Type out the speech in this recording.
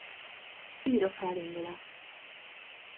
Írok, ha elindulok!